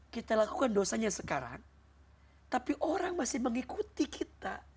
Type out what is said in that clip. kita lakukan dosanya sekarang tapi orang masih mengikuti kita